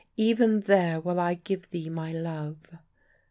Even there will I give thee my love."